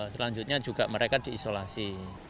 selanjutnya juga mereka diisolasi